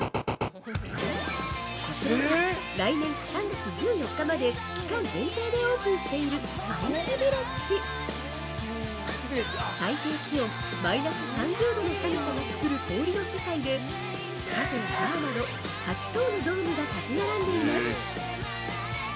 こちらは、来年３月１４日まで期間限定でオープンしている「アイスヴィレッジ」最低気温マイナス３０度の寒さが作る氷の世界でカフェやバーなど８棟のドームが立ち並んでいます。